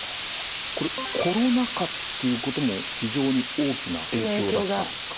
これコロナ禍っていうことも非常に大きな影響があったんですか？